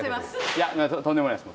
いやとんでもないです